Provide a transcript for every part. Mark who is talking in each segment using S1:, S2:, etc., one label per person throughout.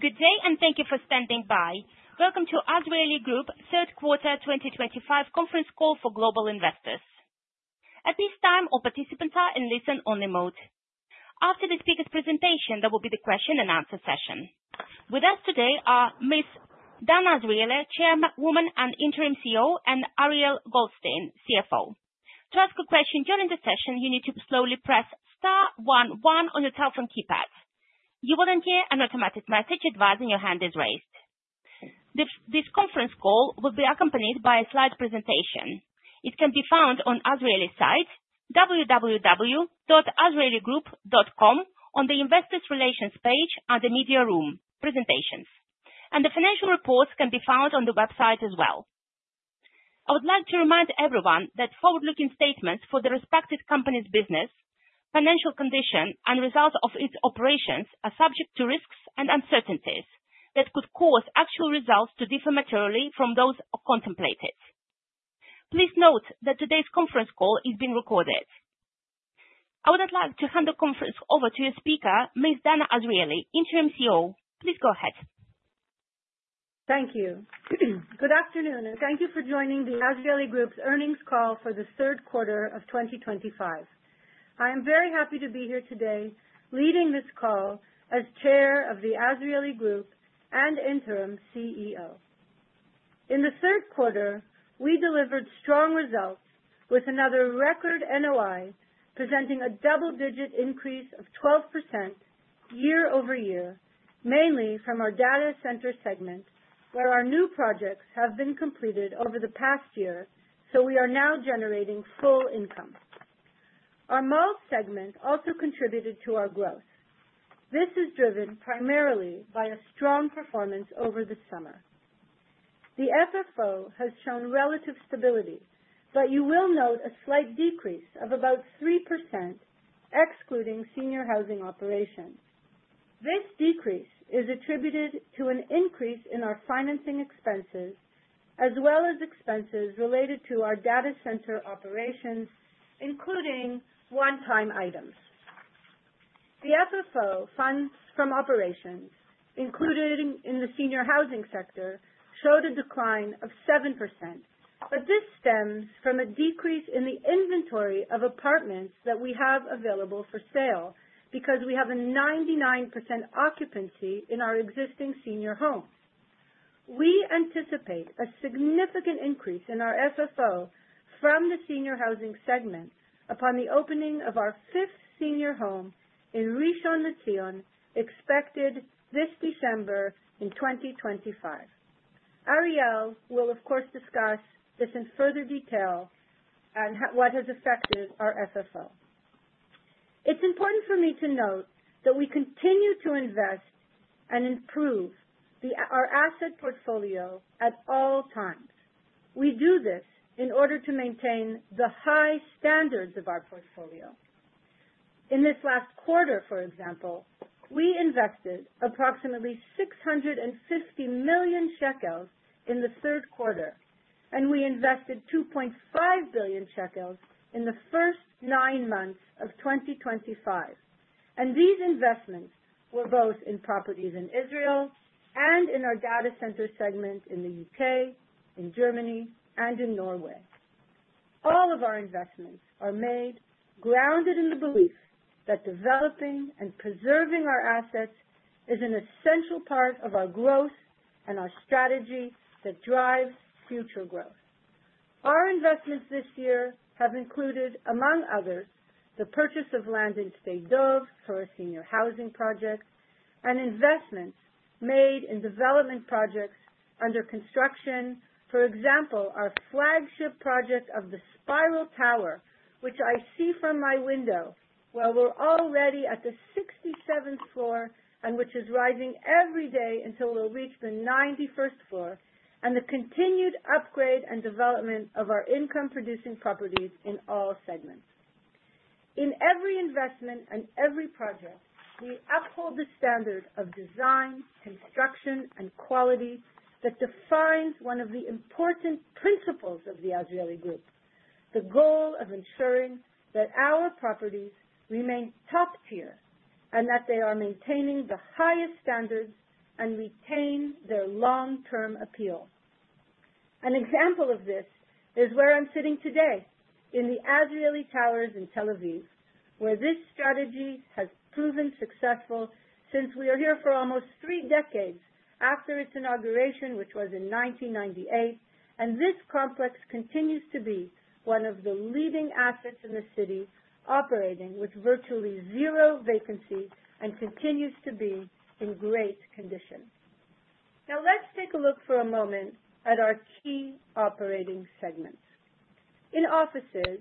S1: Good day, and thank you for standing by. Welcome to Azrieli Group, third quarter 2025 conference call for global investors. At this time, all participants are in listen-only mode. After the speaker's presentation, there will be the question-and-answer session. With us today are Ms. Danna Azrieli, Chairwoman and Interim CEO, and Ariel Goldstein, CFO. To ask a question during the session, you need to slowly press star one one on your telephone keypad. You will then hear an automatic message advising your hand is raised. This conference call will be accompanied by a slide presentation. It can be found on Azrieli's site, www.azrieligroup.com, on the Investors Relations page under Media Room, Presentations. The financial reports can be found on the website as well. I would like to remind everyone that forward-looking statements for the respective company's business, financial condition, and results of its operations are subject to risks and uncertainties that could cause actual results to differ materially from those contemplated. Please note that today's conference call is being recorded. I would like to hand the conference over to your speaker, Ms. Danna Azrieli, Interim CEO. Please go ahead.
S2: Thank you. Good afternoon, and thank you for joining the Azrieli Group's earnings call for the third quarter of 2025. I am very happy to be here today leading this call as Chair of the Azrieli Group and Interim CEO. In the third quarter, we delivered strong results with another record NOI, presenting a double-digit increase of 12% year-over-year, mainly from our data center segment, where our new projects have been completed over the past year, so we are now generating full income. Our mall segment also contributed to our growth. This is driven primarily by a strong performance over the summer. The FFO has shown relative stability, but you will note a slight decrease of about 3%, excluding senior housing operations. This decrease is attributed to an increase in our financing expenses, as well as expenses related to our data center operations, including one-time items. The FFO, funds from operations, including in the senior housing sector, showed a decline of 7%, but this stems from a decrease in the inventory of apartments that we have available for sale because we have a 99% occupancy in our existing senior homes. We anticipate a significant increase in our FFO from the senior housing segment upon the opening of our fifth senior home in Rishon LeZion, expected this December in 2025. Ariel will, of course, discuss this in further detail and what has affected our FFO. It's important for me to note that we continue to invest and improve our asset portfolio at all times. We do this in order to maintain the high standards of our portfolio. In this last quarter, for example, we invested approximately 650 million shekels in the third quarter, and we invested 2.5 billion shekels in the first nine months of 2025. These investments were both in properties in Israel and in our data center segment in the U.K., in Germany, and in Norway. All of our investments are made, grounded in the belief that developing and preserving our assets is an essential part of our growth and our strategy that drives future growth. Our investments this year have included, among others, the purchase of land in Sde Dov for a senior housing project and investments made in development projects under construction. For example, our flagship project of the Spiral Tower, which I see from my window, where we're already at the 67th floor and which is rising every day until we'll reach the 91st floor, and the continued upgrade and development of our income-producing properties in all segments. In every investment and every project, we uphold the standard of design, construction, and quality that defines one of the important principles of the Azrieli Group: the goal of ensuring that our properties remain top tier and that they are maintaining the highest standards and retain their long-term appeal. An example of this is where I'm sitting today, in the Azrieli Towers in Tel Aviv, where this strategy has proven successful since we are here for almost three decades after its inauguration, which was in 1998, and this complex continues to be one of the leading assets in the city, operating with virtually zero vacancy and continues to be in great condition. Now, let's take a look for a moment at our key operating segments. In offices,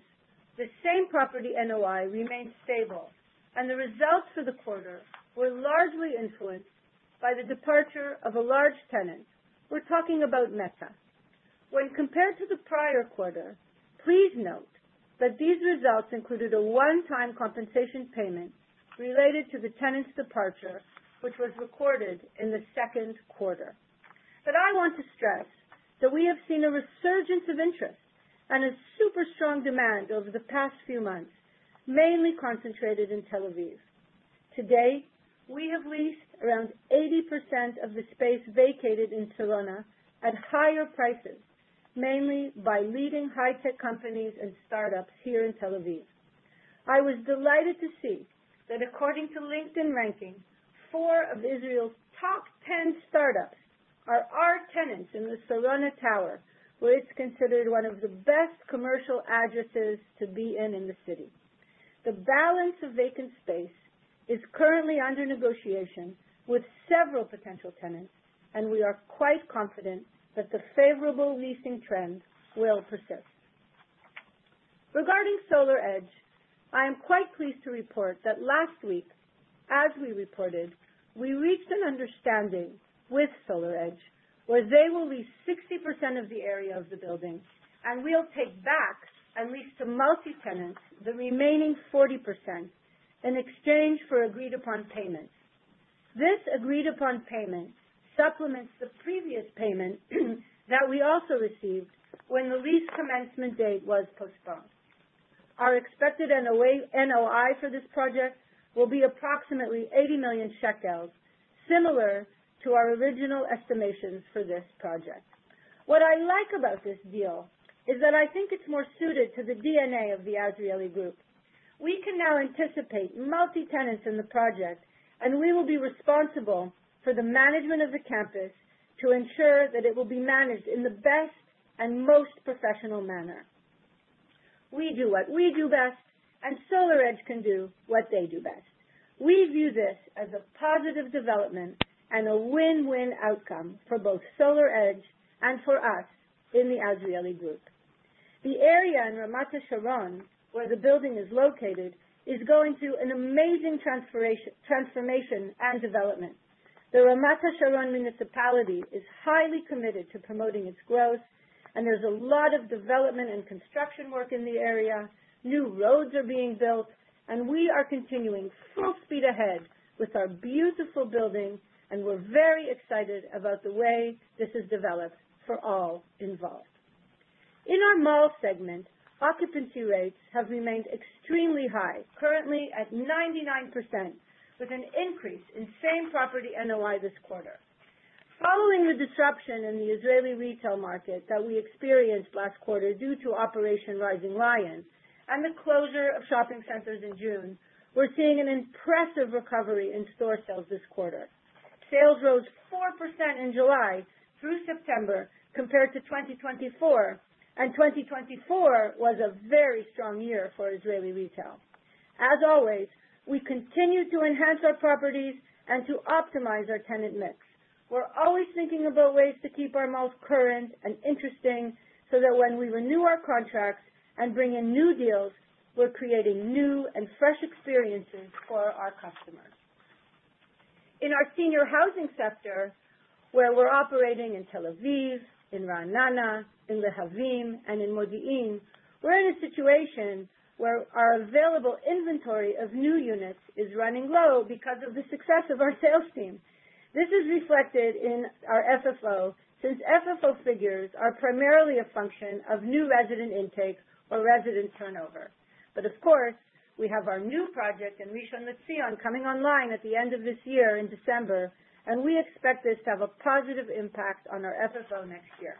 S2: the same property NOI remained stable, and the results for the quarter were largely influenced by the departure of a large tenant. We're talking about Meta. When compared to the prior quarter, please note that these results included a one-time compensation payment related to the tenant's departure, which was recorded in the second quarter. I want to stress that we have seen a resurgence of interest and a super strong demand over the past few months, mainly concentrated in Tel Aviv. Today, we have leased around 80% of the space vacated in Sarona at higher prices, mainly by leading high-tech companies and start-ups here in Tel Aviv. I was delighted to see that, according to LinkedIn ranking, four of Israel's top 10 start-ups are our tenants in the Sarona Tower, where it's considered one of the best commercial addresses to be in in the city. The balance of vacant space is currently under negotiation with several potential tenants, and we are quite confident that the favorable leasing trend will persist. Regarding SolarEdge, I am quite pleased to report that last week, as we reported, we reached an understanding with SolarEdge where they will lease 60% of the area of the building, and we'll take back and lease to multi-tenants the remaining 40% in exchange for agreed-upon payments. This agreed-upon payment supplements the previous payment that we also received when the lease commencement date was postponed. Our expected NOI for this project will be approximately 80 million shekels, similar to our original estimations for this project. What I like about this deal is that I think it's more suited to the DNA of the Azrieli Group. We can now anticipate multi-tenants in the project, and we will be responsible for the management of the campus to ensure that it will be managed in the best and most professional manner. We do what we do best, and SolarEdge can do what they do best. We view this as a positive development and a win-win outcome for both SolarEdge and for us in the Azrieli Group. The area in Ramat HaSharon, where the building is located, is going through an amazing transformation and development. The Ramat HaSharon municipality is highly committed to promoting its growth, and there is a lot of development and construction work in the area. New roads are being built, and we are continuing full speed ahead with our beautiful building, and we are very excited about the way this is developed for all involved. In our mall segment, occupancy rates have remained extremely high, currently at 99%, with an increase in same property NOI this quarter. Following the disruption in the Azrieli retail market that we experienced last quarter due to Operation Rising Lion and the closure of shopping centers in June, we're seeing an impressive recovery in store sales this quarter. Sales rose 4% in July through September compared to 2024, and 2024 was a very strong year for Azrieli retail. As always, we continue to enhance our properties and to optimize our tenant mix. We're always thinking about ways to keep our malls current and interesting so that when we renew our contracts and bring in new deals, we're creating new and fresh experiences for our customers. In our senior housing sector, where we're operating in Tel Aviv, in Ra’anana, in Lehavim, and in Modi'in, we're in a situation where our available inventory of new units is running low because of the success of our sales team. This is reflected in our FFO since FFO figures are primarily a function of new resident intake or resident turnover. Of course, we have our new project in Rishon LeZion coming online at the end of this year in December, and we expect this to have a positive impact on our FFO next year.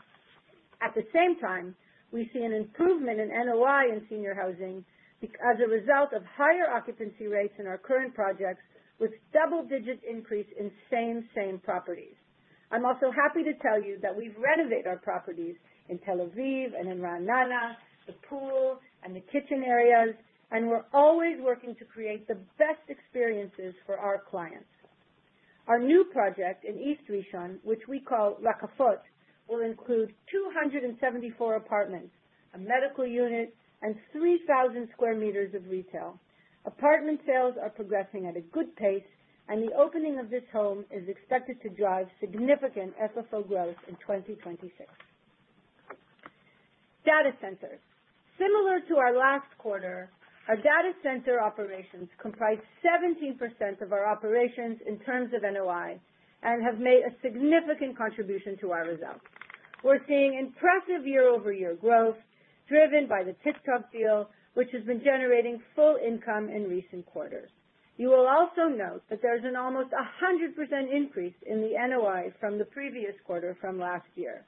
S2: At the same time, we see an improvement in NOI in senior housing as a result of higher occupancy rates in our current projects, with double-digit increase in same, same properties. I'm also happy to tell you that we've renovated our properties in Tel Aviv and in Ra'anana, the pool and the kitchen areas, and we're always working to create the best experiences for our clients. Our new project in East Rishon, which we call Rakafot, will include 274 apartments, a medical unit, and 3,000 sq m of retail. Apartment sales are progressing at a good pace, and the opening of this home is expected to drive significant FFO growth in 2026. Data centers. Similar to our last quarter, our data center operations comprise 17% of our operations in terms of NOI and have made a significant contribution to our results. We're seeing impressive year-over-year growth driven by the TikTok deal, which has been generating full income in recent quarters. You will also note that there's an almost 100% increase in the NOI from the previous quarter from last year.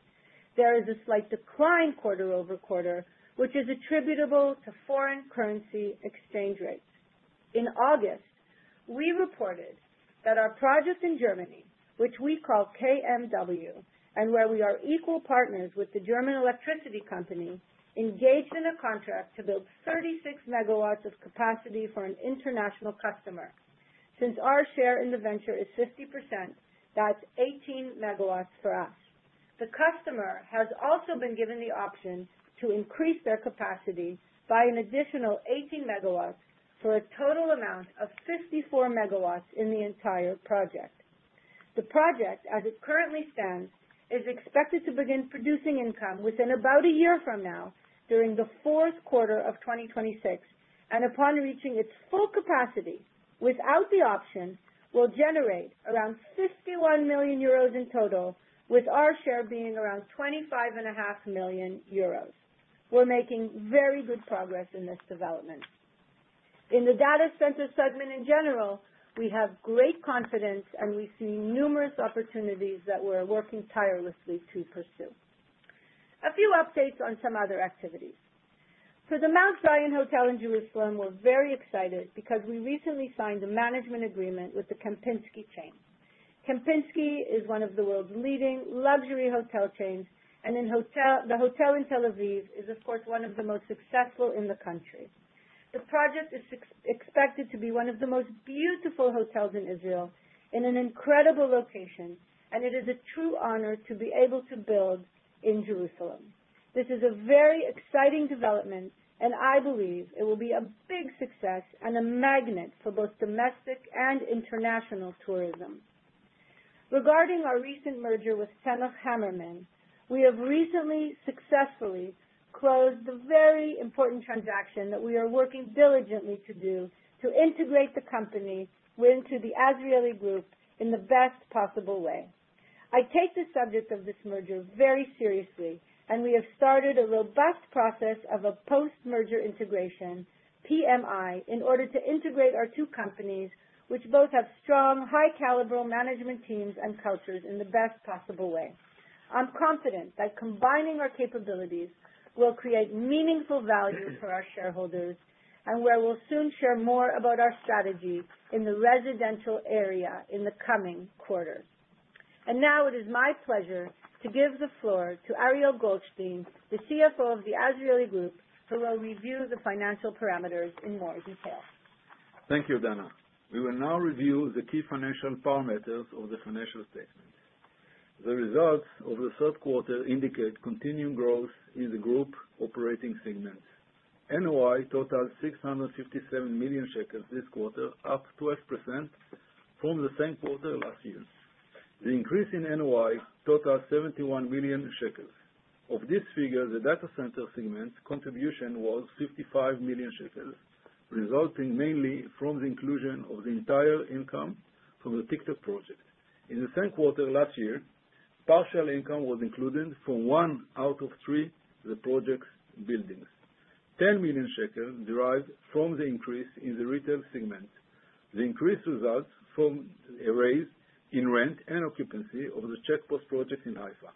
S2: There is a slight decline quarter over quarter, which is attributable to foreign currency exchange rates. In August, we reported that our project in Germany, which we call KMW, and where we are equal partners with the German electricity company, engaged in a contract to build 36 MW of capacity for an international customer. Since our share in the venture is 50%, that's 18 MW for us. The customer has also been given the option to increase their capacity by an additional 18 MW for a total amount of 54 MW in the entire project. The project, as it currently stands, is expected to begin producing income within about a year from now during the fourth quarter of 2026, and upon reaching its full capacity, without the option, will generate around 51 million euros in total, with our share being around 25.5 million euros. We're making very good progress in this development. In the data center segment in general, we have great confidence, and we see numerous opportunities that we're working tirelessly to pursue. A few updates on some other activities. For the Mount Zion Hotel in Jerusalem, we're very excited because we recently signed a management agreement with the Kempinski chain. Kempinski is one of the world's leading luxury hotel chains, and the hotel in Tel Aviv is, of course, one of the most successful in the country. The project is expected to be one of the most beautiful hotels in Israel, in an incredible location, and it is a true honor to be able to build in Jerusalem. This is a very exciting development, and I believe it will be a big success and a magnet for both domestic and international tourism. Regarding our recent merger with ZMH Hammerman, we have recently successfully closed the very important transaction that we are working diligently to do to integrate the company into the Azrieli Group in the best possible way. I take the subject of this merger very seriously, and we have started a robust process of a post-merger integration, PMI, in order to integrate our two companies, which both have strong, high-caliber management teams and cultures in the best possible way. I'm confident that combining our capabilities will create meaningful value for our shareholders, and we will soon share more about our strategy in the residential area in the coming quarter. It is my pleasure to give the floor to Ariel Goldstein, the CFO of the Azrieli Group, who will review the financial parameters in more detail.
S3: Thank you, Danna. We will now review the key financial parameters of the financial statement. The results of the third quarter indicate continuing growth in the group operating segment. NOI totaled 657 million shekels this quarter, up 12% from the same quarter last year. The increase in NOI totaled 71 million shekels. Of this figure, the data center segment contribution was 55 million shekels, resulting mainly from the inclusion of the entire income from the TikTok project. In the same quarter last year, partial income was included for one out of three of the project's buildings. 10 million shekels derived from the increase in the retail segment. The increase results from the raise in rent and occupancy of the Checkpost project in Haifa.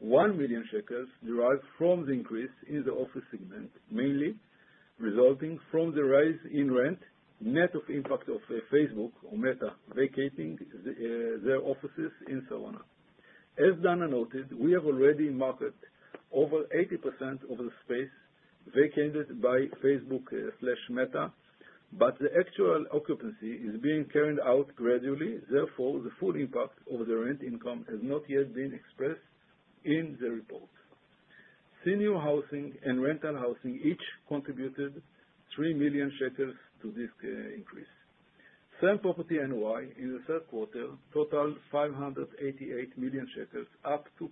S3: 1 million shekels derived from the increase in the office segment, mainly resulting from the rise in rent, net of impact of Meta vacating their offices in Sarona. As Danna noted, we have already marketed over 80% of the space vacated by Meta, but the actual occupancy is being carried out gradually. Therefore, the full impact of the rent income has not yet been expressed in the report. Senior housing and rental housing each contributed 3 million shekels to this increase. Same property NOI in the third quarter totaled 588 million shekels, up 2%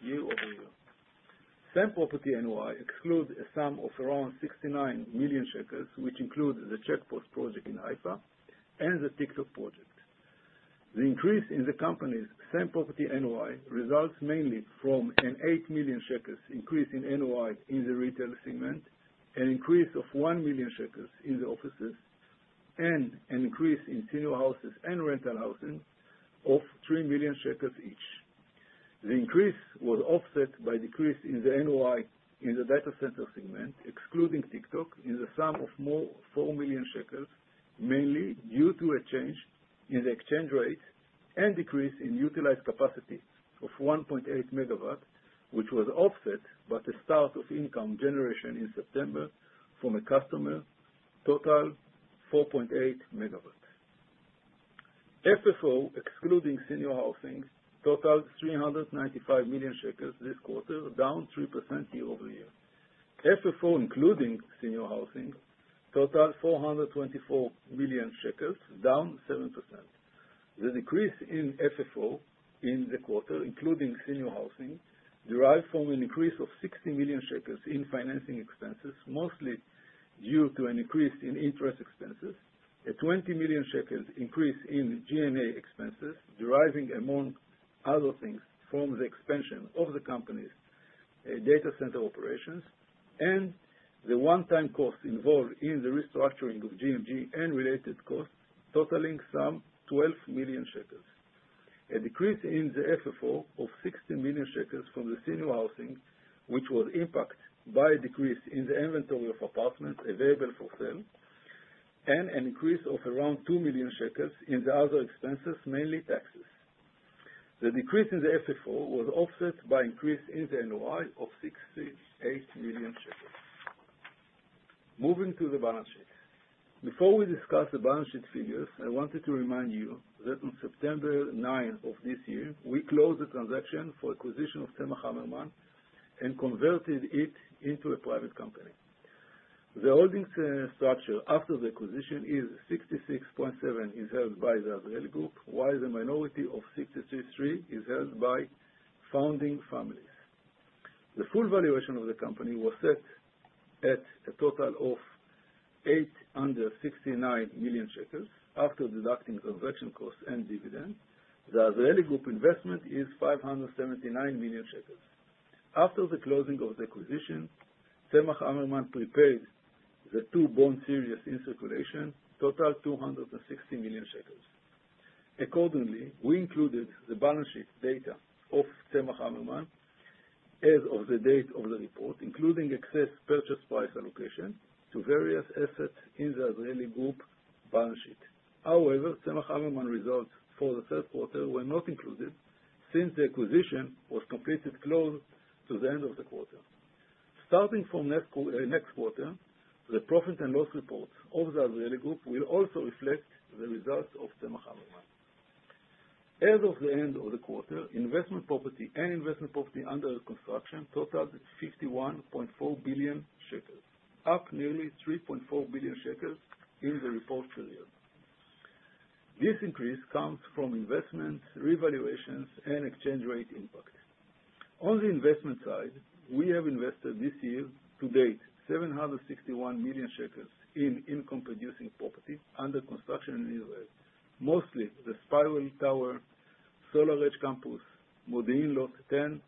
S3: year-over-year. Same property NOI excludes a sum of around 69 million shekels, which includes the Checkpost project in Haifa and the TikTok project. The increase in the company's same property NOI results mainly from an 8 million shekels increase in NOI in the retail segment, an increase of 1 million shekels in the offices, and an increase in senior houses and rental housing of 3 million shekels each. The increase was offset by a decrease in the NOI in the data center segment, excluding TikTok, in the sum of more 4 million shekels, mainly due to a change in the exchange rate and decrease in utilized capacity of 1.8 MW, which was offset by the start of income generation in September from a customer totaling 4.8 MW. FFO excluding senior housing totaled 395 million shekels this quarter, down 3% year-over-year. FFO including senior housing totaled 424 million shekels, down 7%. The decrease in FFO in the quarter, including senior housing, derived from an increase of 60 million shekels in financing expenses, mostly due to an increase in interest expenses, a 20 million shekel increase in GMA expenses, deriving, among other things, from the expansion of the company's data center operations, and the one-time costs involved in the restructuring of GMG and related costs, totaling some 12 million shekels. A decrease in the FFO of 60 million shekels from the senior housing, which was impacted by a decrease in the inventory of apartments available for sale, and an increase of around 2 million shekels in the other expenses, mainly taxes. The decrease in the FFO was offset by an increase in the NOI of 68 million shekels. Moving to the balance sheet. Before we discuss the balance sheet figures, I wanted to remind you that on September 9 of this year, we closed the transaction for acquisition of ZMH Hammerman and converted it into a private company. The holding structure after the acquisition is 66.7% is held by the Azrieli Group, while the minority of 33.3% is held by founding families. The full valuation of the company was set at a total of 869 million shekels after deducting transaction costs and dividends. The Azrieli Group investment is 579 million shekels. After the closing of the acquisition, ZMH Hammerman prepared the two bond series in circulation, totaling 260 million shekels. Accordingly, we included the balance sheet data of Temach Hammerman as of the date of the report, including excess purchase price allocation to various assets in the Azrieli Group balance sheet. However, ZMH Hammerman results for the third quarter were not included since the acquisition was completed close to the end of the quarter. Starting from next quarter, the profit and loss reports of the Azrieli Group will also reflect the results of ZMH Hammermann. As of the end of the quarter, investment property and investment property under construction totaled 51.4 billion shekels, up nearly 3.4 billion shekels in the report period. This increase comes from investment, revaluations, and exchange rate impact. On the investment side, we have invested this year to date 761 million shekels in income-producing property under construction, mostly the Spiral Tower, SolarEdge Campus, Modi'in Lot 10,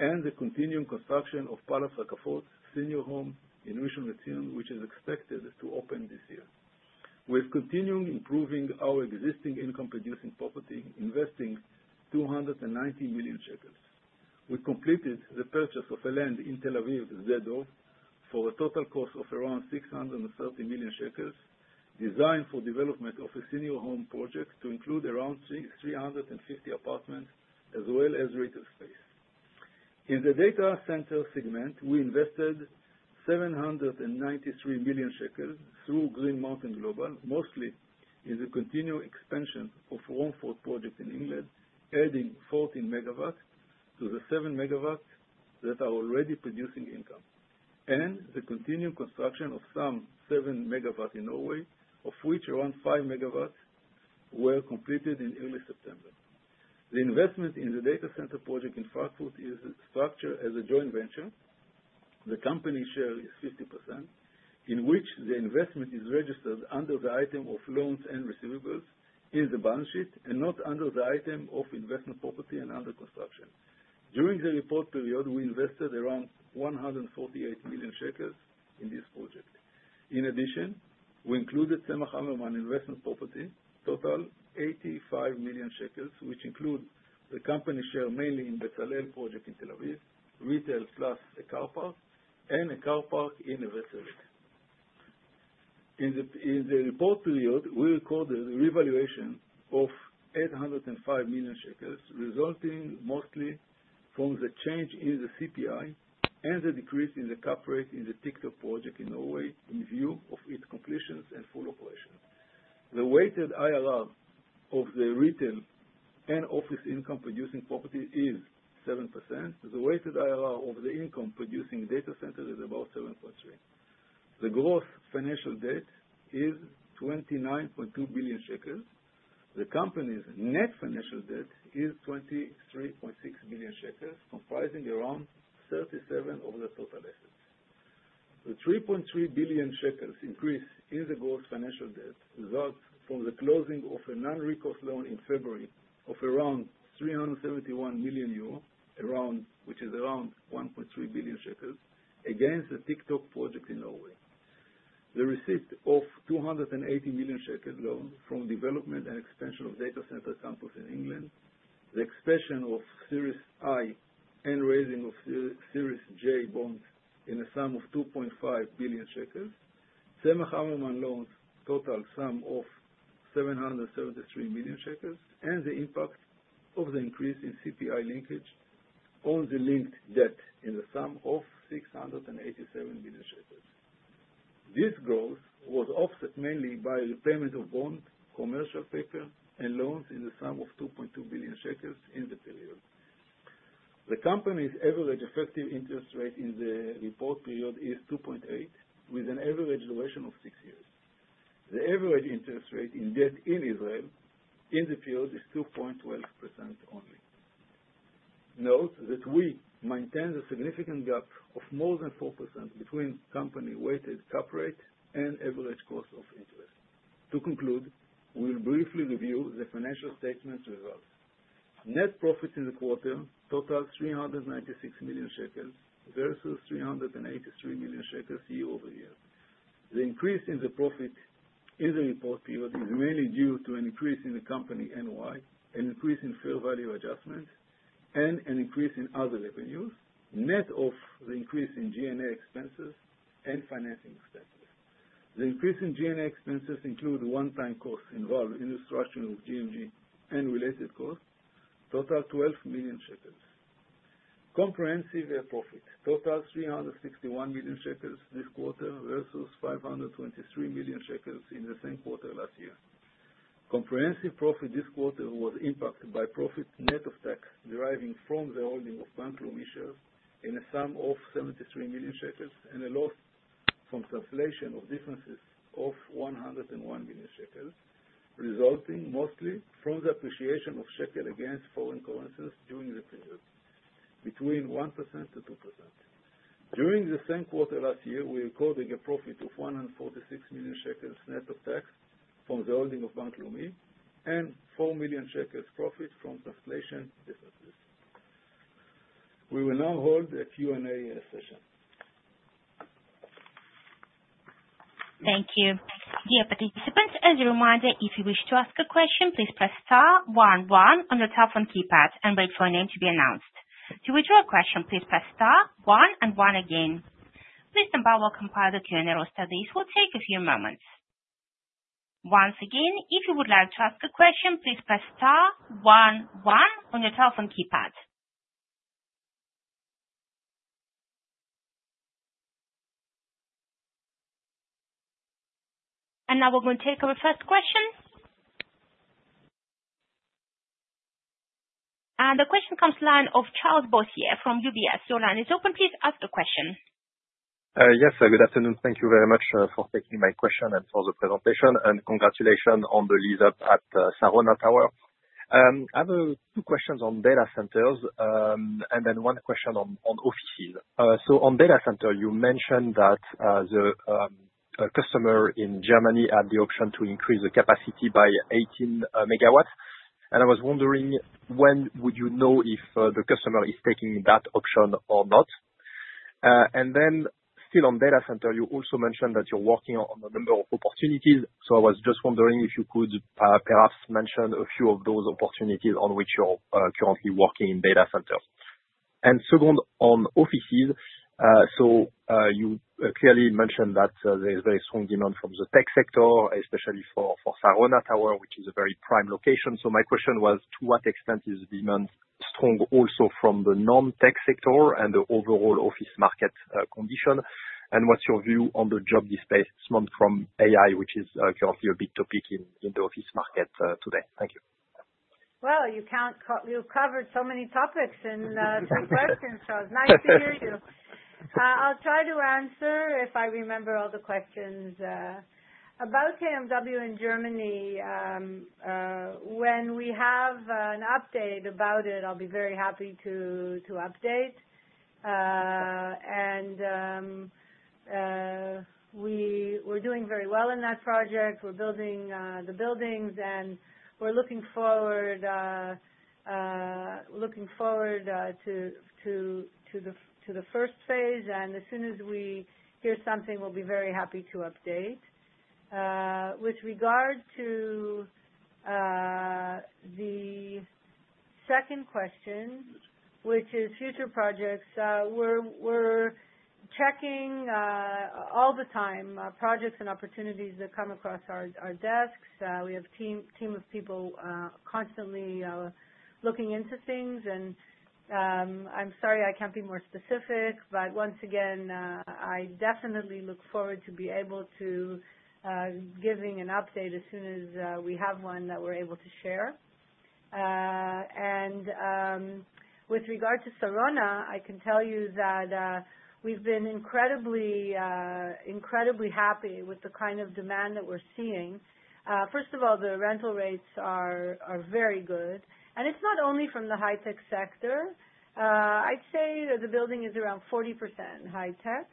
S3: and the continuing construction of Palace Rakafot Senior Home in Rishon LeZion, which is expected to open this year. We're continuing improving our existing income-producing property, investing 290 million shekels. We completed the purchase of a land in Tel Aviv, Sde Dov, for a total cost of around 630 million shekels, designed for development of a senior home project to include around 350 apartments as well as retail space. In the data center segment, we invested 793 million shekels through Green Mountain Global, mostly in the continuing expansion of the Wormford project in England, adding 14 MW to the 7 MW that are already producing income, and the continuing construction of some 7 MW in Norway, of which around 5 MW were completed in early September. The investment in the data center project in Frankfurt is structured as a joint venture. The company share is 50%, in which the investment is registered under the item of loans and receivables in the balance sheet and not under the item of investment property and under construction. During the report period, we invested around 148 million shekels in this project. In addition, we included ZMH Hammerman investment property, total 85 million shekels, which includes the company share mainly in Betzalel project in Tel Aviv, retail plus a car park, and a car park in a reserve. In the report period, we recorded a revaluation of 805 million shekels, resulting mostly from the change in the CPI and the decrease in the cap rate in the TikTok project in Norway in view of its completions and full operation. The weighted IRR of the retail and office income-producing property is 7%. The weighted IRR of the income-producing data center is about 7.3%. The gross financial debt is 29.2 billion shekels. The company's net financial debt is 23.6 billion shekels, comprising around 37% of the total assets. The 3.3 billion shekels increase in the gross financial debt resulted from the closing of a non-recourse loan in February of around 371 million euro, which is around 1.3 billion shekels, against the TikTok project in Norway. The receipt of an 280 million shekels loan from development and expansion of data center campus in England, the expansion of Series I and raising of Series J bonds in a sum of 2.5 billion shekels, ZMH Hammerman loans total sum of 773 million shekels, and the impact of the increase in CPI linkage on the linked debt in the sum of 687 million shekels. This growth was offset mainly by repayment of bond, commercial paper, and loans in the sum of 2.2 billion shekels in the period. The company's average effective interest rate in the report period is 2.8%, with an average duration of 6 years. The average interest rate in debt in Israel in the period is 2.12% only. Note that we maintain a significant gap of more than 4% between company weighted cap rate and average cost of interest. To conclude, we will briefly review the financial statement results. Net profit in the quarter totaled 396 million shekels versus 383 million shekels year-over-year. The increase in the profit in the report period is mainly due to an increase in the company NOI, an increase in fair value adjustments, and an increase in other revenues, net of the increase in GMA expenses and financing expenses. The increase in GMA expenses includes one-time costs involved in the structural of GMG and related costs, totaling 12 million shekels. Comprehensive profit totaled 361 million shekels this quarter versus 523 million shekels in the same quarter last year. Comprehensive profit this quarter was impacted by profit net of tax deriving from the holding of bank loan issues in a sum of 73 million shekels and a loss from cancellation of differences of 101 million shekels, resulting mostly from the appreciation of the shekel against foreign currencies during the period, between 1%-2%. During the same quarter last year, we recorded a profit of 146 million shekels net of tax from the holding of bank loan and 4 million shekels profit from cancellation differences. We will now hold a Q&A session.
S1: Thank you. Dear participants, as a reminder, if you wish to ask a question, please press star one one on the telephone keypad and wait for a name to be announced. To withdraw a question, please press star one, and one again. Mr. Bowell will compile the Q&A for studies. It will take a few moments. Once again, if you would like to ask a question, please press star one, one on your telephone keypad. We are going to take our first question. The question comes from the line of Charles Boissier from UBS. Your line is open. Please ask the question.
S4: Yes, good afternoon. Thank you very much for taking my question and for the presentation. Congratulations on the lead-up at Sarona Tower. I have two questions on data centers and then one question on offices. On data center, you mentioned that the customer in Germany had the option to increase the capacity by 18 MW. I was wondering, when would you know if the customer is taking that option or not? Still on data center, you also mentioned that you are working on a number of opportunities. I was just wondering if you could perhaps mention a few of those opportunities on which you're currently working in data centers. Second, on offices, you clearly mentioned that there is very strong demand from the tech sector, especially for Sarona Tower, which is a very prime location. My question was, to what extent is the demand strong also from the non-tech sector and the overall office market condition? What's your view on the job displacement from AI, which is currently a big topic in the office market today? Thank you.
S2: You have covered so many topics in three questions, so it's nice to hear you. I'll try to answer if I remember all the questions about KMW in Germany. When we have an update about it, I'll be very happy to update. We are doing very well in that project. We're building the buildings, and we're looking forward to the first phase. As soon as we hear something, we'll be very happy to update. With regard to the second question, which is future projects, we're checking all the time projects and opportunities that come across our desks. We have a team of people constantly looking into things. I'm sorry I can't be more specific, but once again, I definitely look forward to being able to give an update as soon as we have one that we're able to share. With regard to Sarona, I can tell you that we've been incredibly happy with the kind of demand that we're seeing. First of all, the rental rates are very good. It's not only from the high-tech sector. I'd say the building is around 40% high-tech.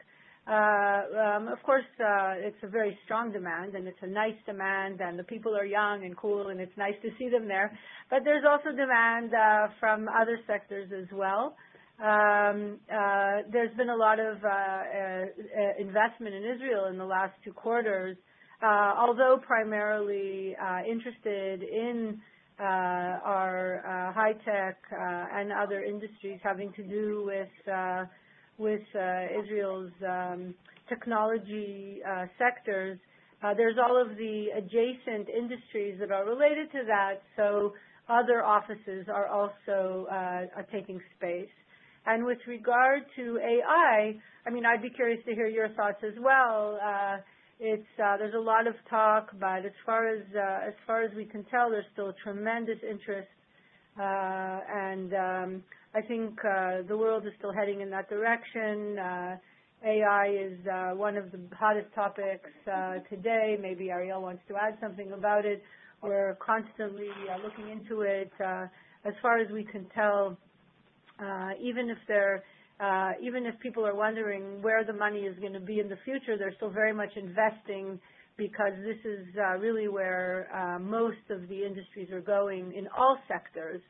S2: Of course, it's a very strong demand, and it's a nice demand, and the people are young and cool, and it's nice to see them there. There's also demand from other sectors as well. There's been a lot of investment in Israel in the last two quarters, although primarily interested in our high-tech and other industries having to do with Israel's technology sectors. There's all of the adjacent industries that are related to that, so other offices are also taking space. With regard to AI, I mean, I'd be curious to hear your thoughts as well. There's a lot of talk, but as far as we can tell, there's still tremendous interest. I think the world is still heading in that direction. AI is one of the hottest topics today. Maybe Ariel wants to add something about it. We're constantly looking into it. As far as we can tell, even if people are wondering where the money is going to be in the future, they're still very much investing because this is really where most of the industries are going in all sectors,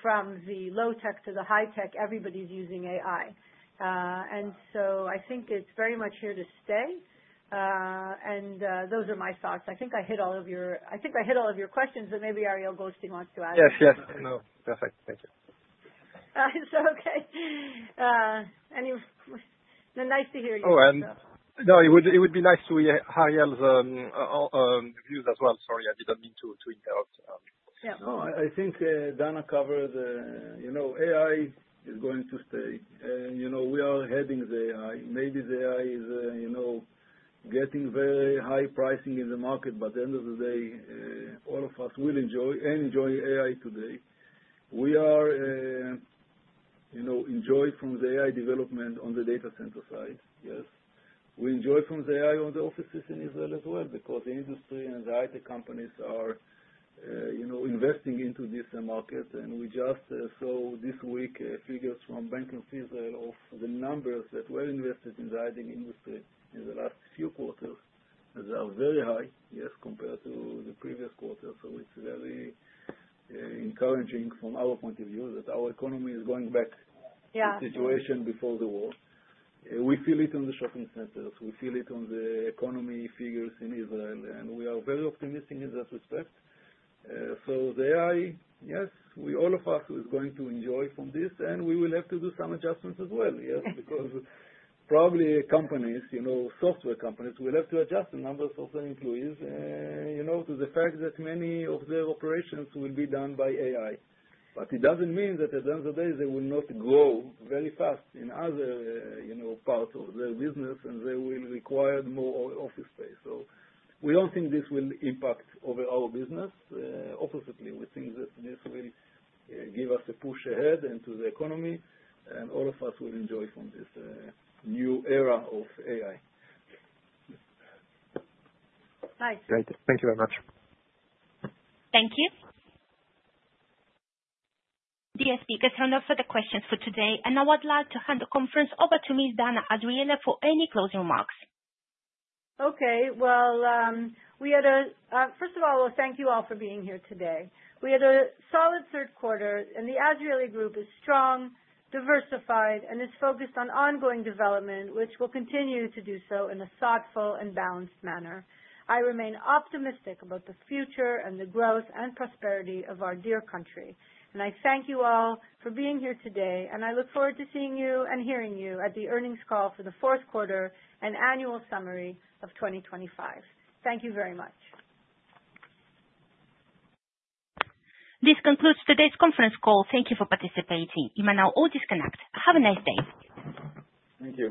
S2: from the low-tech to the high-tech. Everybody's using AI. I think it's very much here to stay. Those are my thoughts. I think I hit all of your questions, but maybe Ariel Goldstein wants to add something.
S4: Yes, yes. No, perfect. Thank you.
S2: Okay. Nice to hear you.
S4: Oh, and no, it would be nice to hear Ariel's views as well. Sorry, I didn't mean to interrupt.
S3: No, I think Danna covered AI is going to stay. We are heading the AI. Maybe the AI is getting very high pricing in the market, but at the end of the day, all of us will enjoy and enjoy AI today. We enjoy from the AI development on the data center side. Yes. We enjoy from the AI on the offices in Israel as well because the industry and the high-tech companies are investing into this market. We just saw this week figures from Bank of Israel of the numbers that were invested in the high-tech industry in the last few quarters that are very high, yes, compared to the previous quarter. It is very encouraging from our point of view that our economy is going back to the situation before the war. We feel it in the shopping centers. We feel it on the economy figures in Israel. We are very optimistic in that respect. The AI, yes, all of us are going to enjoy from this, and we will have to do some adjustments as well, yes, because probably companies, software companies, will have to adjust the numbers of their employees to the fact that many of their operations will be done by AI. It does not mean that at the end of the day, they will not grow very fast in other parts of their business, and they will require more office space. We do not think this will impact our business. Oppositely, we think that this will give us a push ahead into the economy, and all of us will enjoy from this new era of AI.
S2: Nice.
S4: Great. Thank you very much.
S1: Thank you. Dear speakers, that's all the questions for today. I would like to hand the conference over to Ms. Danna Azrieli for any closing remarks.
S2: Okay. First of all, thank you all for being here today. We had a solid third quarter, and the Azrieli Group is strong, diversified, and is focused on ongoing development, which will continue to do so in a thoughtful and balanced manner. I remain optimistic about the future and the growth and prosperity of our dear country. I thank you all for being here today, and I look forward to seeing you and hearing you at the earnings call for the fourth quarter and annual summary of 2025. Thank you very much.
S1: This concludes today's conference call. Thank you for participating. You may now all disconnect. Have a nice day.
S3: Thank you.